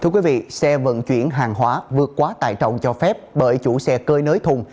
thưa quý vị xe vận chuyển hàng hóa vượt quá tải trọng cho phép bởi chủ xe cơi nới thùng